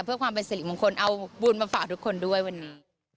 เพื่อความเป็นสิริมงคลเอาบุญมาฝากทุกคนด้วยวันนี้